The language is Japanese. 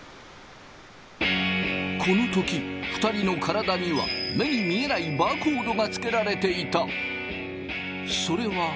この時２人の体には目に見えないバーコードがつけられていた！